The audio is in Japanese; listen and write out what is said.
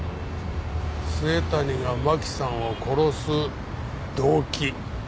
末谷がマキさんを殺す動機。